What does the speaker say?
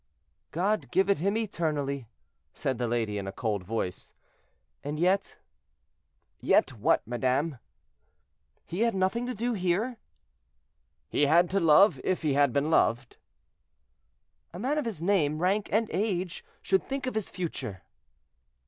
"God give it him eternally," said the lady, in a cold voice, "and yet—" "Yet what, madame?" "Had he nothing to do here?" "He had to love if he had been loved." "A man of his name, rank, and age, should think of his future."